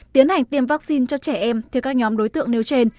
tiến hành tiêm vắc xin cho trẻ em theo các nhóm đối tượng nêu trên